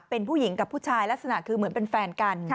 เป็นผู้หญิงกับผู้ชายลักษณะคือเหมือนเป็นแฟนกัน